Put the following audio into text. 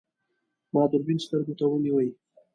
ما دوربین سترګو ته ونیو.